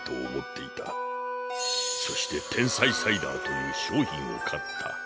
そして天才サイダーという商品を買った。